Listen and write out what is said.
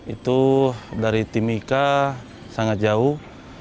itu dari timika sangat jauh